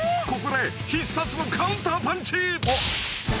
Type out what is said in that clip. ここで必殺のカウンターパンチ！